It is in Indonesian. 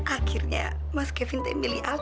akhirnya mas kevin demili alda